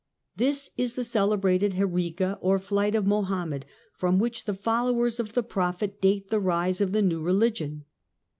This is the celebrated "Heriga" or Flight of Mohammed, from which the followers of the prophet date the rise of the new religion.